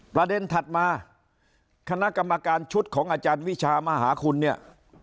ถัดมาคณะกรรมการชุดของอาจารย์วิชามหาคุณเนี่ย